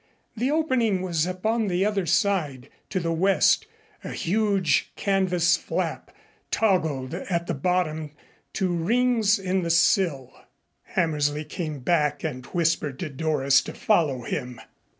The opening was upon the other side, to the west, a huge canvas flap, toggled at the bottom to rings in the sill. Hammersley came back and whispered to Doris to follow him.